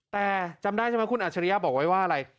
แต่จำได้ใช่ไหมคุณอัจฉริยะบอกไว้ว่าอะไร